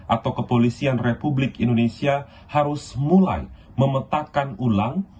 atau kepolisian republik indonesia harus mulai memetakan ulang